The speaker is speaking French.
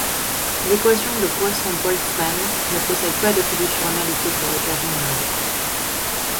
L'équation de Poisson-Boltzmann ne possède pas de solution analytique dans le cas général.